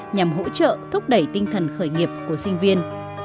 nhằm hỗ trợ thúc đẩy tinh thần khởi nghiệp của sinh viên